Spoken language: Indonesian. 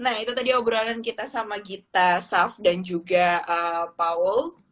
nah itu tadi obrolan kita sama gita saf dan juga paul